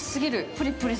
プリプリ